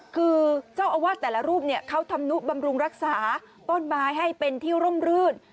คือเจ้าอาวาสแต่ละรูปเนี่ยเขาทำนุบำรุงรักษาต้นไม้ให้เป็นที่ร่มรื่น